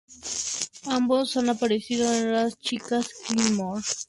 Ambos han aparecido en "Las chicas Gilmore".